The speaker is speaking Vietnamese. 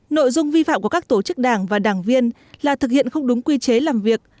nội dung vi phạm của các tổ chức đảng và đảng viên là thực hiện không đúng quy chế làm việc